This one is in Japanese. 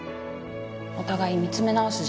お互い見つめ直す